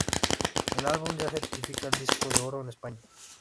El álbum ya certifica el Disco de Oro en España.